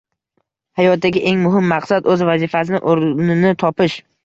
Hayotdagi eng muhim maqsad – o‘z vazifasini, o‘rnini topish.